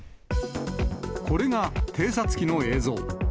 これが偵察機の映像。